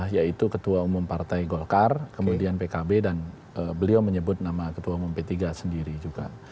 yaitu ketua umum partai golkar kemudian pkb dan beliau menyebut nama ketua umum p tiga sendiri juga